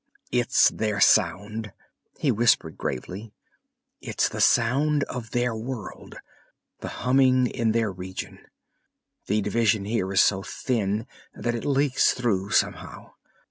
"It's their sound," he whispered gravely. "It's the sound of their world, the humming in their region. The division here is so thin that it leaks through somehow.